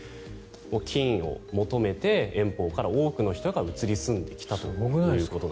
金を求めて遠方から多くの人が移り住んできたと。